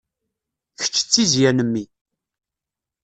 Kečč d tizzya n mmi.